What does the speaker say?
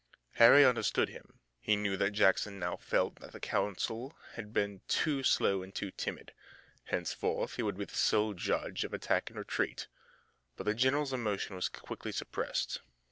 Harry understood him. He knew that Jackson now felt that the council had been too slow and too timid. Henceforth he would be the sole judge of attack and retreat. But the general's emotion was quickly suppressed.